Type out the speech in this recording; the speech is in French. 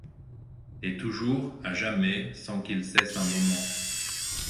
Et toujours, à jamais, sans qu’il cesse un moment